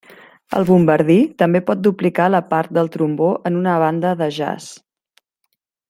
El bombardí també pot duplicar la part del trombó en una banda de jazz.